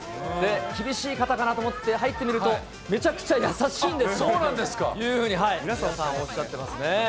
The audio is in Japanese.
厳しい方かなと思って入ってみると、そうなんですか。というふうに、皆さん、おっしゃっていますね。